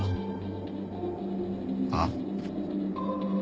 あっ？